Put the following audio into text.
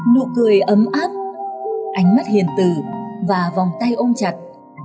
nụ cười ấm áp ánh mắt hiền tử và vòng tay ôm chặt